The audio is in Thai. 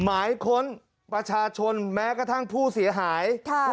หมายค้นประชาชนแม้กระทั่งผู้เสียหาย